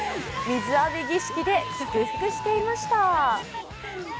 水浴び儀式で祝福していました。